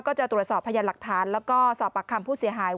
ก็จะตรวจสอบพยานหลักฐานแล้วก็สอบปากคำผู้เสียหาย